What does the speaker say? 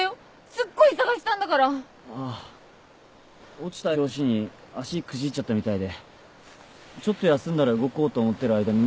落ちた拍子に足くじいちゃったみたいでちょっと休んだら動こうと思ってる間に。